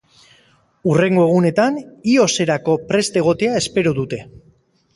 Hurrengo egunetan ios-erako prest egotea espero dute.